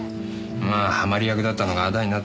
まあはまり役だったのがあだになったっていうか